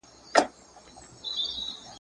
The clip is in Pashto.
مور یې د تلویزون په ریموټ باندې خبرونه لټول.